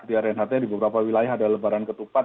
di rnht di beberapa wilayah ada lebaran ketupat